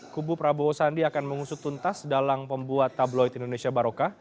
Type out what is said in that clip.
kubu prabowo sandi akan mengusut tuntas dalang pembuat tabloid indonesia barokah